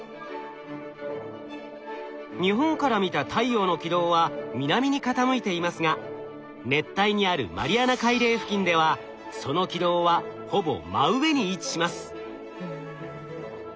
日本から見た太陽の軌道は南に傾いていますが熱帯にあるマリアナ海嶺付近ではその軌道はほぼ真上に位置します。